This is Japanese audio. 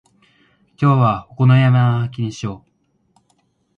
今日はお好み焼きにしよう。